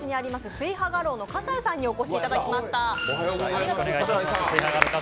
翠波画廊の葛西さんにお越しいただきました。